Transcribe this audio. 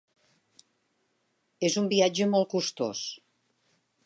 És un viatge molt costós.